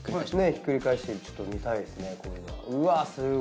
ひっくり返してちょっと見たいですねこれは。